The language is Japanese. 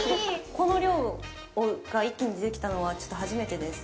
この量が一気に出てきたのは、初めてです。